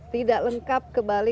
tidak lengkap ke bali